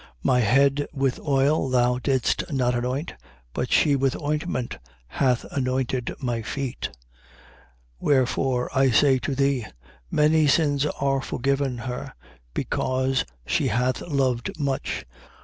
My head with oil thou didst not anoint. But she with ointment hath anointed my feet. 7:47. Wherefore, I say to thee: Many sins are forgiven her, because she hath loved much.